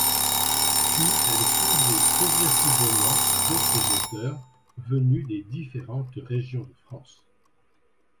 Puis elle s'ouvrit progressivement à d'autres auteurs venus des différentes régions de France.